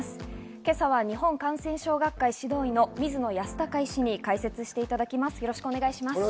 今朝は日本感染症学会・指導医、水野泰孝医師に解説していただきます。